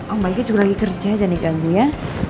om baiknya juga lagi kerja aja nih ganggu ya